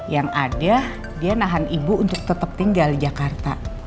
yang ada dia nahan ibu untuk tetap tinggal di jakarta